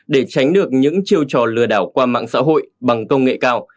để tránh được những chiêu trò lừa đảo qua mạng xã hội bằng công nghệ cao